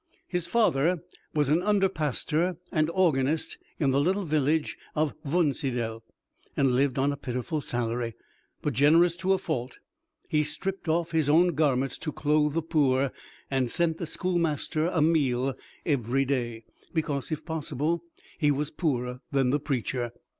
His father was an under pastor and organist in the little village of Wunsiedel, and lived on a pitiful salary; but, generous to a fault, he stripped off his own garments to clothe the poor, and sent the schoolmaster a meal every day, because, if possible, he was poorer than the preacher.